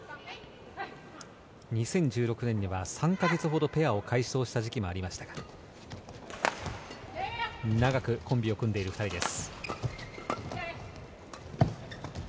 ２０１６年には３か月ほどペアを解消した時期もありましたが長くコンビを組んでいる２人です。